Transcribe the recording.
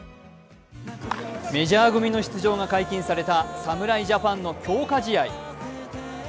メジャー組の出場が解禁された侍ジャパンの強化試合。